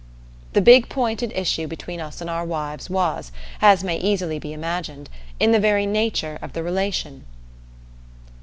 The big point at issue between us and our wives was, as may easily be imagined, in the very nature of the relation.